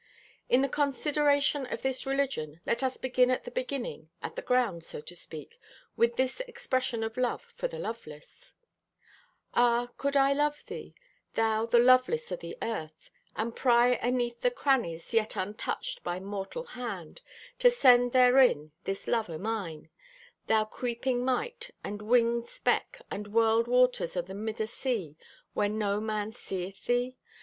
In the consideration of this religion let us begin at the beginning, at the ground, so to speak, with this expression of love for the loveless: Ah, could I love thee, Thou, the loveless o' the earth, And pry aneath the crannies Yet untouched by mortal hand To send therein this love o' mine— Thou creeping mite, and winged speck, And whirled waters o' the mid o' sea Where no man seeth thee?